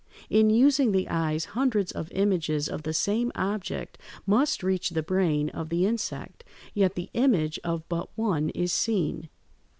In using the eyes hundreds of images of the same object must reach the brain of the insect, yet the image of but one is seen.